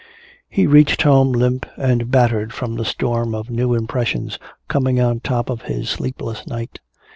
He reached home limp and battered from the storm of new impressions coming on top of his sleepless night.